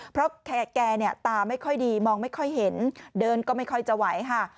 เพราะแกเนี่ยตาไม่ค่อยดีมองไม่ค่อยเห็นเดินก็ไม่ค่อยจะไหวค่ะ